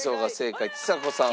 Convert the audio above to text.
ちさ子さん